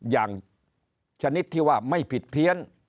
อย่างชนิดที่ว่าไม่ผิดเพี้ยน